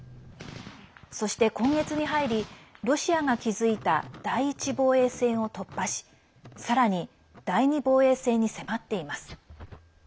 そして、今月に入りロシアが築いた第１防衛線を突破しさらに第２防衛線に迫っています。